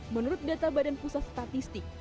menurut data badan pemerintah